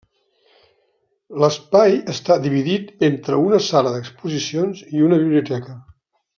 L'espai està dividit entre una sala d'exposicions i una biblioteca.